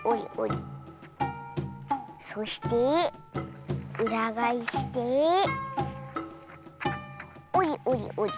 そしてうらがえしておりおりおり。